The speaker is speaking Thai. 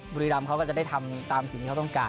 บุรีรำเขาก็จะได้ทำตามสิ่งที่เขาต้องการ